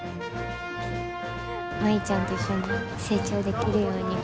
舞ちゃんと一緒に成長できるように。